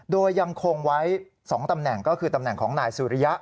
โดยยังคงไว้๒ตำแหน่งก็คือตำแหน่งของนายสุริยะ